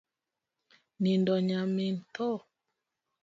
Nindo nyamin tho